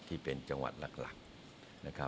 ที่เป็นจังหวัดหลัก